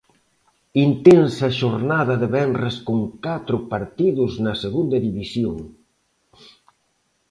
Intensa xornada de venres con catro partidos na Segunda División.